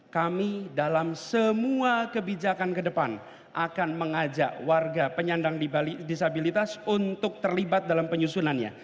kami dalam semua kebijakan ke depan akan mengajak warga penyandang disabilitas untuk terlibat dalam penyusunannya